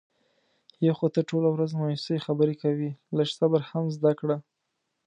یو خو ته ټوله ورځ د مایوسی خبرې کوې. لږ صبر هم زده کړه.